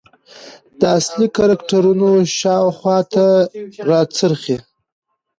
د اصلي کرکترونو شاخواته راڅرخي .